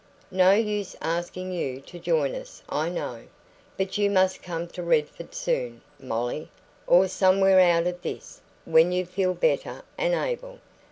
No use asking you to join us, I know. But you must come to Redford soon, Molly or somewhere out of this when you feel better and able.